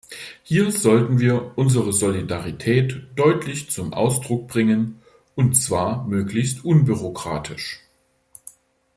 Hier sollten wir unsere Solidarität deutlich zum Ausdruck bringen, und zwar möglichst unbürokratisch.